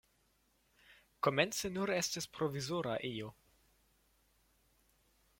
Komence nur estis provizora ejo.